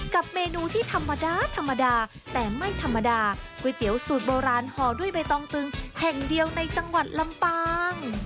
กับเมนูที่ธรรมดาธรรมดาแต่ไม่ธรรมดาก๋วยเตี๋ยวสูตรโบราณห่อด้วยใบตองตึงแห่งเดียวในจังหวัดลำปาง